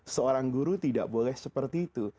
seorang guru tidak boleh seperti itu